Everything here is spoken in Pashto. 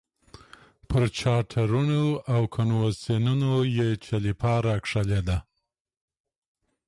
پر چارټرونو او کنونسینونو یې چلیپا راښکلې ده.